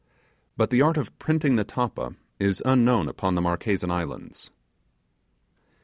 But the art of printing the tappa is unknown upon the Marquesan Islands.